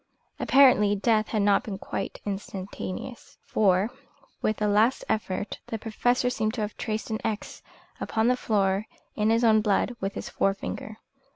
Apparently death had not been quite instantaneous, for with a last effort the Professor seemed to have traced an X upon the floor in his own blood with his forefinger.